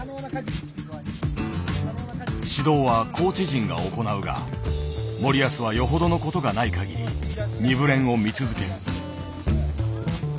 指導はコーチ陣が行うが森保はよほどの事がない限り二部練を見続ける。